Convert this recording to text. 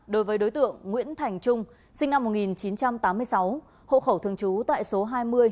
đối với đối tượng nguyễn thành trung sinh năm một nghìn chín trăm tám mươi sáu hộ khẩu thường trú tại số hai mươi